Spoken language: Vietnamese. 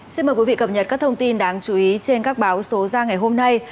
xin mời quý vị cập nhật các thông tin đáng chú ý trên các báo số ra ngày hôm nay